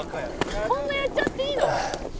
「こんなやっちゃっていいの？」